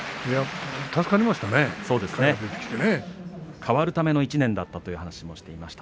変わるための１年だという話をしていました。